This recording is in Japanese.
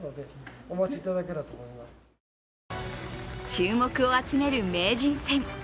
注目を集める名人戦。